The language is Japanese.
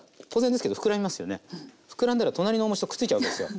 ふくらんだら隣のお餅とくっついちゃうわけですよ。